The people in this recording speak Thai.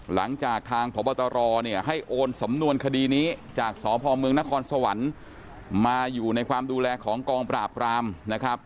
หลังจากทางพบตรเนี่ยให้โอนสำนวนคดีนี้จากสพเมืองนครสวรรค์มาอยู่ในความดูแลของกองปราบรามนะครับ